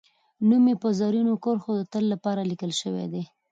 نوم یې په زرینو کرښو د تل لپاره لیکل شوی دی